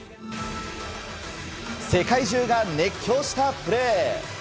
世界中が熱狂したプレー。